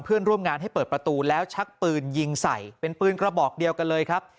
เพื่อนร่วมงานให้เปิดประตูแล้วชักปืนยิงใส่เป็นปืนกระบอกเดียวกันเลยครับ